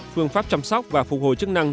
phương pháp chăm sóc và phục hồi chức năng